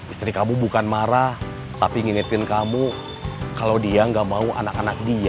istri kamu bukan marah tapi ngingetin kamu kalau dia gak mau anak anak dia